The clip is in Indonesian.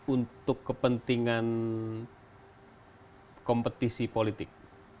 untuk kepentingan kompetisi politik